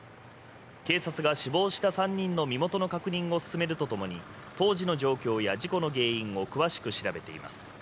警察が死亡した３人の身元の確認を進めるとともに当時の状況や事故の原因を詳しく調べています。